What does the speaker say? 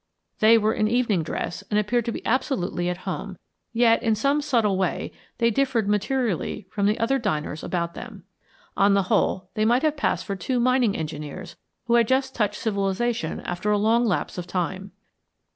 They were in evening dress and appeared to be absolutely at home, yet, in some subtle way, they differed materially from the other diners about them. On the whole, they might have passed for two mining engineers who had just touched civilisation after a long lapse of time.